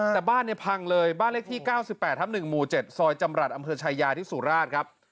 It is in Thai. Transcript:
แต่บ้านเนี่ยพังเลยบ้านเลขที่๙๘ทับ๑หมู่๗ซอยจำรัฐอำเภอชายาที่สุราชครับ